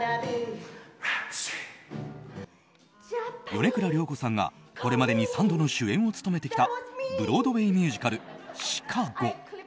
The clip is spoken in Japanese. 米倉涼子さんが、これまでに３度の主演を務めてきたブロードウェーミュージカル「ＣＨＩＣＡＧＯ」。